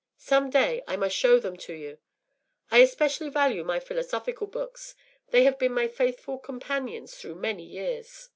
Some day I must show them to you. I especially value my philosophical books; they have been my faithful companions through many years.